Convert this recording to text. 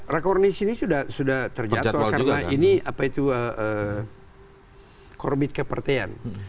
rakornis ini sudah terjatual karena ini apa itu korbit kepertayaan